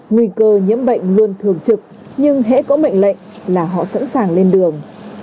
nguy cơ nhiễm bệnh luôn thường trực nhưng hãy có mệnh lệnh là họ sẵn sàng lên đường